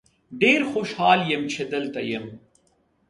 ډیر خوشحال یم چې دلته یم.